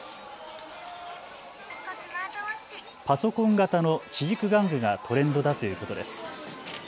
パソコン型の知育玩具がトレンドだということです。